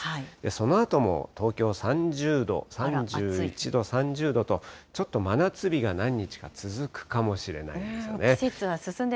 そのあとも東京３０度、３１度、３０度と、ちょっと真夏日が何日か続くかもしれないですよね。